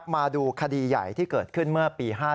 มาดูคดีใหญ่ที่เกิดขึ้นเมื่อปี๕๗